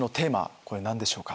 これ何でしょうか？